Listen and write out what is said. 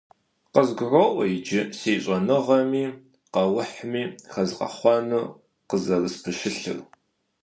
КъызгуроӀуэ иджыри си щӀэныгъэми къэухьми хэзгъэхъуэну къызэрыспэщылъыр.